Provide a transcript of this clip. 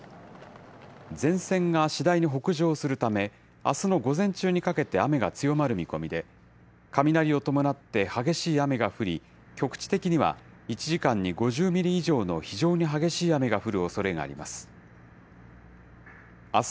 前線が次第に北上するため、あすの午前中にかけて雨が強まる見込みで、雷を伴って激しい雨が降り、局地的には１時間に５０ミリ以上の非常に激しい雨が降るおそれがあります。